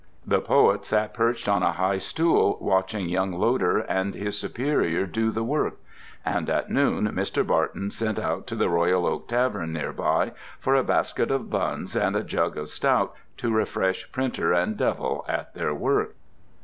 The poet sat perched on a high stool watching young Loder and his superior do the work. And at noon Mr. Barton sent out to the Royal Oak Tavern near by for a basket of buns and a jug of stout to refresh printer and devil at their work.